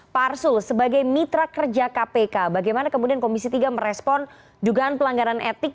pak arsul sebagai mitra kerja kpk bagaimana kemudian komisi tiga merespon dugaan pelanggaran etik